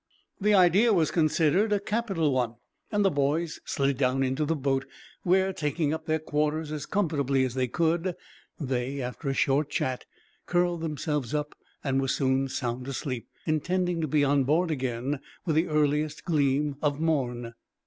The idea was considered a capital one, and the boys slid down into the boat; where, taking up their quarters as comfortably as they could, they, after a short chat, curled themselves up and were soon sound asleep, intending to be on board again, with the earliest gleam of morn.